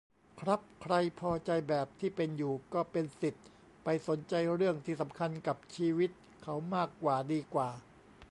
ครับ ใครพอใจแบบที่เป็นอยู่ ก็เป็นสิทธิ์ ไปสนใจเรื่องที่สำคัญกับชีวิตเขามากกว่าดีกว่า